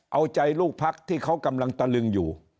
เอาใจลูกพักที่เขากำลังตะลึงอยู่